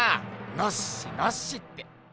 ノッシノッシって。